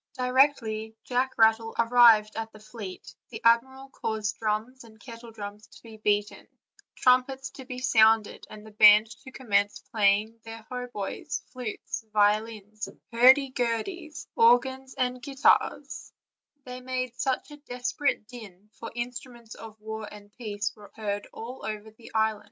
Directly Jacis Rattle arrived at the fleet the admiral caused drums and kettledrums to be beaten, trumpets to be sounded, and the band to commence playing their hautboys, flutes, violins, hurdy gurdies, organs, and gui tars; they made a desperate din, for instruments of war and peace were heard all over the isle.